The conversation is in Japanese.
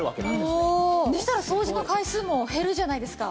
そしたら掃除の回数も減るじゃないですか。